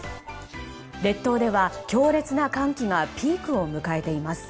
列島では強烈な寒気がピークを迎えています。